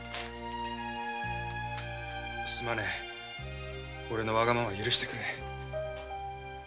済まねえオレのわがまま許してくれ！